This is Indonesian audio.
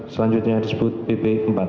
selanjutnya disebut bb empat